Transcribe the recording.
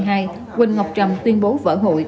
huỳnh ngọc trầm tuyên bố vỡ hội